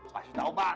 pasti tau pak